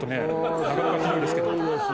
なかなかひどいですけど。